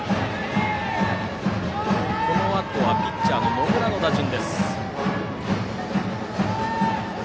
このあとはピッチャーの野村の打順。